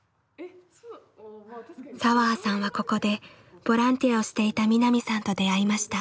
彩葉さんはここでボランティアをしていた望奈未さんと出会いました。